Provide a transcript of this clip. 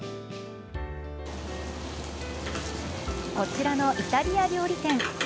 こちらのイタリア料理店。